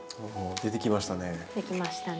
出てきましたね。